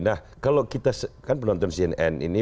nah kalau kita kan penonton cnn ini